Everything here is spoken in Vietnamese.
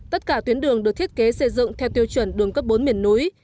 tất cả tuyến đường được thiết kế xây dựng theo tiêu chuẩn đường cấp bốn miền núi